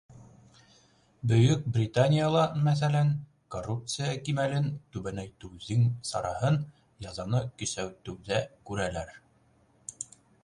Бөйөк Британияла, мәҫәлән, коррупция кимәлен түбәнәйтеүҙең сараһын язаны көсәйтеүҙә күрәләр.